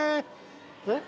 えっ？